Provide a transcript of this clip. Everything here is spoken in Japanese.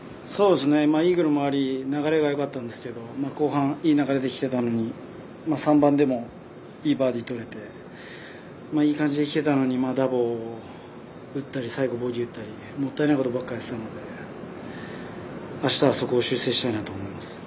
イーグルもあり流れがよかったんですけど後半、いい流れできてたのに３番でもいいバーディーをとれていい感じできてたのにダボを打ったり最後、ボギー打ったりもったいないことばかりだったのであしたはそこを修正したいと思います。